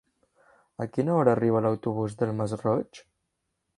A quina hora arriba l'autobús del Masroig?